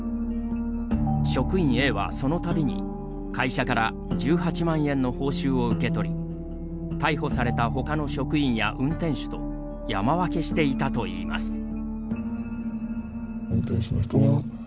職員Ａは、そのたびに会社から１８万円の報酬を受け取り逮捕されたほかの職員や運転手と山分けしていたといいます。